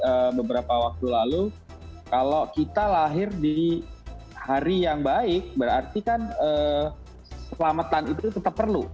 karena beberapa waktu lalu kalau kita lahir di hari yang baik berarti kan selamatan itu tetap perlu